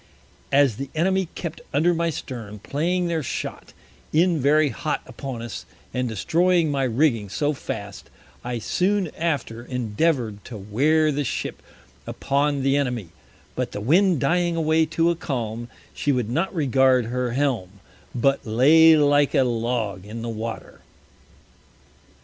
As the Enemy kept under my Stern, playing their Shot in very hot upon us, and destroying my Rigging so fast, I soon after endeavour'd to wear the Ship upon the Enemy; but the Wind dying away to a Calm, she would not regard her Helm, but lay like a Log in the Water.